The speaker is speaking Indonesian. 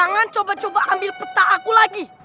jangan coba coba ambil peta aku lagi